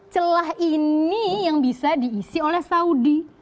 celah ini yang bisa diisi oleh saudi